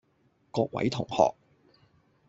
各位同學